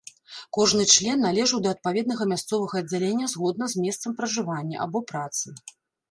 Кожны член належаў да адпаведнага мясцовага аддзялення згодна з месцам пражывання, або працы.